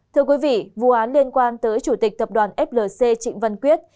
thưa quý vị vụ án liên quan tới chủ tịch tập đoàn flc trịnh văn quyết